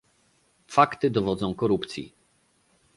Fakty dowodzą korupcji